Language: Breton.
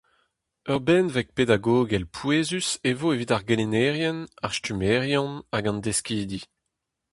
Ur benveg pedagogel pouezus e vo evit ar gelennerien, ar stummerien hag an deskidi.